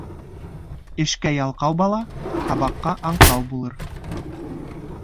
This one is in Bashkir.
Эшкә ялҡау бала һабаҡҡа аңҡау булыр.